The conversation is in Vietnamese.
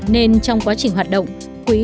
nên trong quá trình hoạt động quỹ